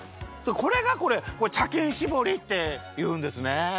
これが茶きんしぼりっていうんですね。